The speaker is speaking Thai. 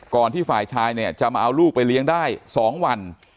ที่ฝ่ายชายเนี่ยจะมาเอาลูกไปเลี้ยงได้๒วัน